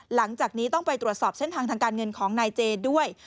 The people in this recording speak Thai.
หลังจากนี้ต้องไปตรวจสอบเส้นทางทางการเงินของนายเจด้วย